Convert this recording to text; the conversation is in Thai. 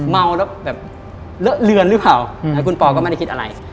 เมาแล้วแบบเลอะเลือนหรือเปล่าแล้วคุณปอก็ไม่ได้คิดอะไร